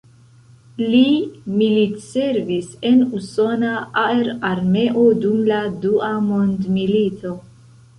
Li militservis en usona aerarmeo dum la Dua Mondmilito.